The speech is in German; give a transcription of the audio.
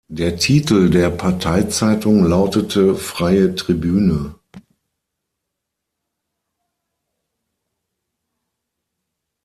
Der Titel der Parteizeitung lautete Freie Tribüne.